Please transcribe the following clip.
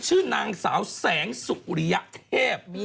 ชื่อนางสาวแสงสุริยเทพ